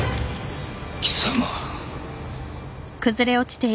貴様。